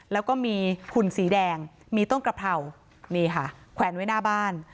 แล้วก็มีหุ่นสีแดงมีต้นกระเพรานี่ค่ะแขวนไว้หน้าบ้าน